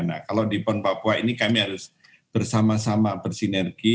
nah kalau di pon papua ini kami harus bersama sama bersinergi